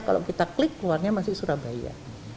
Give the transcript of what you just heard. kalau kita klik keluarnya masih surabaya